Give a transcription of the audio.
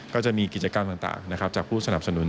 ก็จะมีกิจกรรมต่างจากผู้สนับสนุน